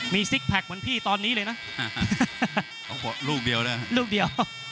มีซิกแพคเหมือนพี่ตอนนี้เลยนะลูกเดียวเลยลูกเดียว